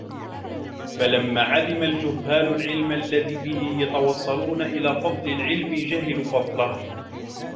فَلَمَّا عَدِمَ الْجُهَّالُ الْعِلْمَ الَّذِي بِهِ يَتَوَصَّلُونَ إلَى فَضْلِ الْعِلْمِ جَهِلُوا فَضْلَهُ